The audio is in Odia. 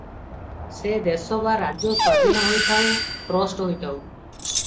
ସେ ଦେଶ ବା ରାଜ୍ୟ ସ୍ୱାଧୀନ ହୋଇଥାଉ ଟ୍ରଷ୍ଟ ହୋଇଥାଉ ।